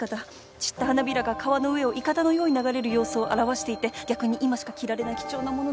散った花びらが川の上をいかだのように流れる様子を表していて逆に今しか着られない貴重なものなの。